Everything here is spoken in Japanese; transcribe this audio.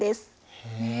へえ。